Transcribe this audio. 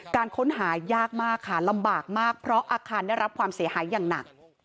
การค้นหายากมากค่ะลำบากมากเพราะอาคารได้รับความเสียหายอย่างหนัก